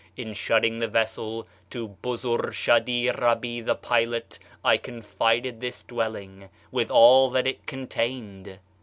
In shutting the vessel, to Buzur shadi rabi, the pilot, I confided this dwelling, with all that it contained.